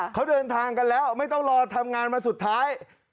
เขาเดินทางกันแล้วไม่ต้องรอทำงานมาสุดท้าย